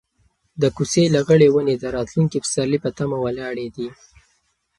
د کوڅې لغړې ونې د راتلونکي پسرلي په تمه ولاړې دي.